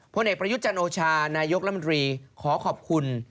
ผลเอกประยุจจันโอชานายกละมิดรีขอขอบคุณ